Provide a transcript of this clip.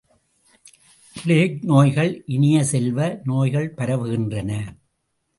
Plague நோய்கள் இனிய செல்வ, நோய்கள் பரவுகின்றன!